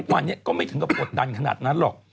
วันนี้ก็ไม่ถึงกับกดดันขนาดนั้นหรอก